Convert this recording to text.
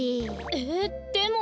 えっでも。